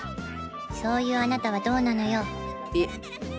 そういうあなたはどうなのよ？え？